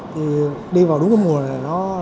thì đi vào đúng cái mùa này nó